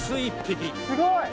すごい！